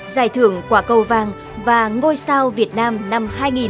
giải thưởng quả cầu vàng và ngôi sao việt nam năm hai nghìn sáu